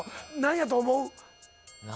何やと思う？